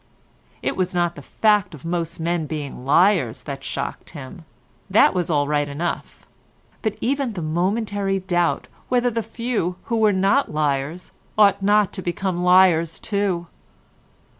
It was not the fact of most men being liars that shocked him—that was all right enough; but even the momentary doubt whether the few who were not liars ought not to become liars too.